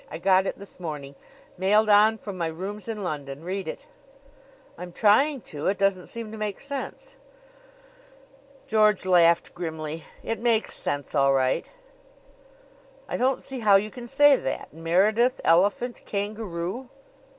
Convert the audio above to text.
"I got it this morning mailed on from my rooms in London. Read it." "I'm trying to. It doesn't seem to make sense." George laughed grimly. "It makes sense all right." "I don't see how you can say that. 'Meredith elephant kangaroo